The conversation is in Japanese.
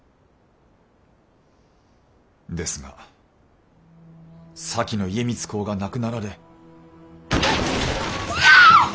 ですが先の家光公が亡くなられ。